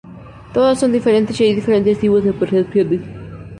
Todas son diferentes, y hay diferentes tipos de percepciones.